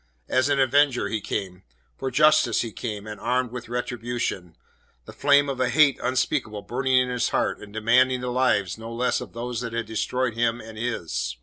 As an avenger he came. For justice he came, and armed with retribution; the flame of a hate unspeakable burning in his heart, and demanding the lives no less of those that had destroyed him and his.